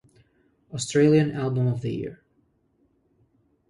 Australian Album of the Year